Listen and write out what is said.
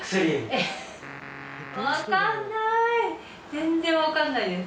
全然わかんないです。